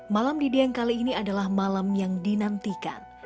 malam di dieng kali ini adalah malam yang dinantikan